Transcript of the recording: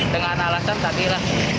dengan alasan tadi lah